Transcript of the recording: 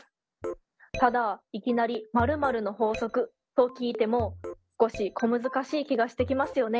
ただいきなり○○の法則と聞いても少し小難しい気がしてきますよね。